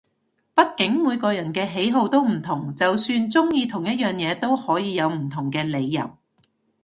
畢竟每個人嘅喜好都唔同，就算中意同一樣嘢都可以有唔同嘅理由